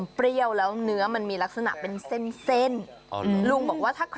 ครับอีกแล้ว